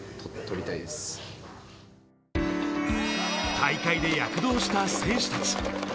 大会で躍動した選手達。